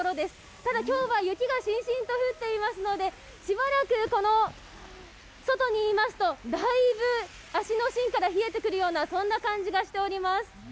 ただ今日は雪がしんしんと降っていますので、しばらく外にいますとだいぶ足の芯から冷えてくるような、そんな感じがしております。